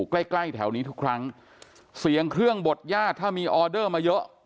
ใกล้ใกล้แถวนี้ทุกครั้งเสียงเครื่องบดญาติถ้ามีออเดอร์มาเยอะ